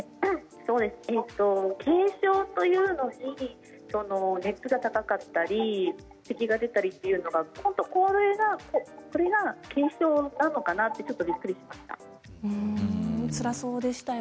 軽症というのに熱が高かったりせきが出たりというのはこれが軽症なのかな？とちょっとびっくりしました。